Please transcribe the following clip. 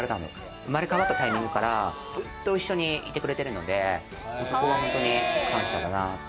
生まれ変わったタイミングからずっと一緒にいてくれてるので本当に感謝だなって。